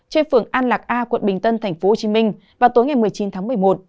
trên phường an lạc a quận bình tân tp hcm vào tối ngày một mươi chín tháng một mươi một